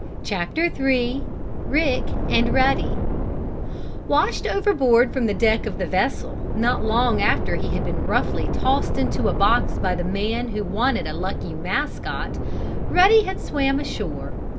CHAPTER III RICK AND RUDDY Washed overboard from the deck of the vessel, not long after he had been roughly tossed into a box by the man who wanted a lucky "mascot," Ruddy had swam ashore.